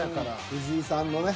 藤井さんもね。